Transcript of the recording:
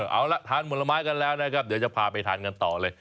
เอาละทานผลไม้กันแล้วนะครับเดี๋ยวจะพาไปทานกันต่อเลย